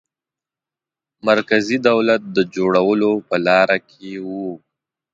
مرکزي دولت د جوړولو په لاره کې وو.